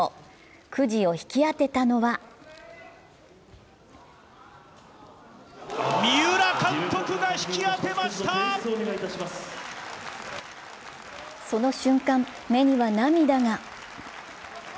くじを引き当てたのはその瞬間、目には涙が。